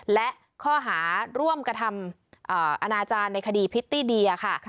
และข้อหาร่วมกระทำอนาจารย์ในคดีพริตตี้เดียค่ะ